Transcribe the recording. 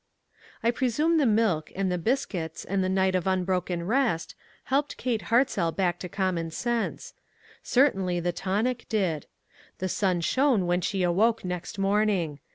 I presume the milk, and the biscuits, and the night of unbroken rest, helped Kate Hartzell back to common sense. Certainly the tonic did. The sun shone when she awoke next morning.